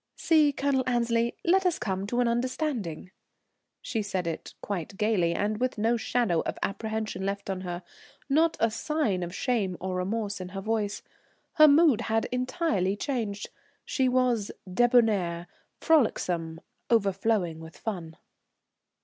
"See, Colonel Annesley, let us come to an understanding." She said it quite gaily and with no shadow of apprehension left in her, not a sign of shame or remorse in her voice. Her mood had entirely changed. She was débonnaire, frolicsome, overflowing with fun.